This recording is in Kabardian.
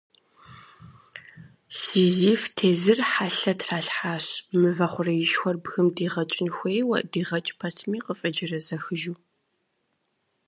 Сизиф тезыр хьэлъэ тралъхьащ, мывэ хъуреишхуэр бгым дикъэкӏын хуейуэ, дигъэкӏ пэтми, къыфӏеджэрэзэхыжу.